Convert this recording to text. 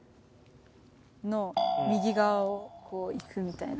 その右側をこう行くみたいな。